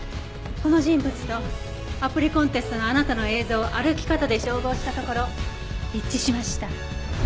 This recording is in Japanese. この人物とアプリコンテストのあなたの映像を歩き方で照合したところ一致しました。